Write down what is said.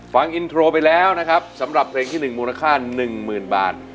ฟังอินโทรไปแล้วนะครับสำหรับเพลงที่๑มูลค่า๑๐๐๐บาท